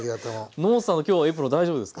野本さんの今日エプロン大丈夫ですか？